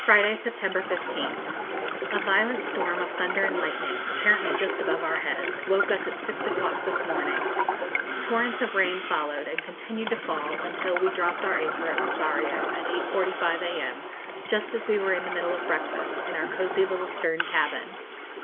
Friday, September 15th. A violent storm of thunder and lightning, apparently just above our heads, woke us at six o'clock this morning. Torrents of rain followed, and continued to fall until we dropped our anchor at Rosario, at 8.45 a.m., just as we were in the middle of breakfast, in our cozy little stern cabin.